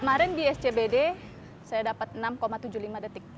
kemarin di scbd saya dapat enam tujuh puluh lima detik